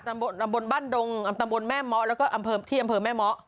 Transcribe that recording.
สบป้าดตำบลบ้านดงตำบลแม่ม้อแล้วก็ที่อำเภอแม่ม้อ